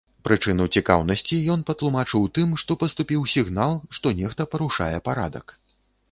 Прычыну цікаўнасці ён патлумачыў тым, што паступіў сігнал, што нехта парушае парадак.